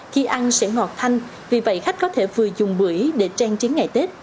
khi ăn sẽ ngọt thanh vì vậy khách có thể vừa dùng bưởi để trang trí ngày tết